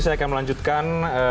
saya akan melanjutkan